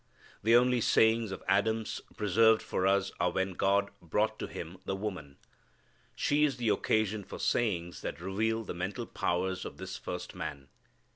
The only sayings of Adam's preserved for us are when God brought to him the woman. She is the occasion for sayings that reveal the mental powers of this first man.